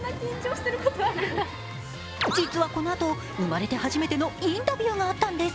実はこのあと生まれて初めてのインタビューがあったんです。